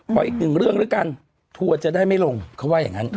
อีกหนึ่งเรื่องด้วยกันทัวร์จะได้ไม่ลงเขาว่าอย่างนั้น